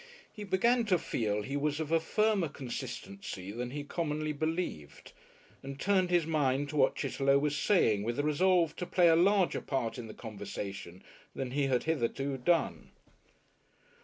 He began to feel he was of a firmer consistency than he commonly believed, and turned his mind to what Chitterlow was saying with the resolve to play a larger part in the conversation than he had hitherto done.